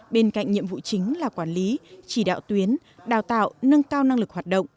bên cạnh nhiệm vụ chính là quản lý chỉ đạo tuyến đào tạo nâng cao năng lực hoạt động